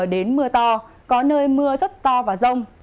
nhiều nơi có thể xuất hiện mưa to có nơi mưa rất to và rông